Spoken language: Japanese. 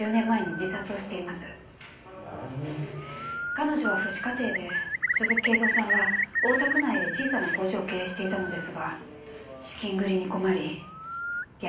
彼女は父子家庭で鈴木圭造さんは大田区内で小さな工場を経営していたのですが資金繰りに困り闇金に借金をし。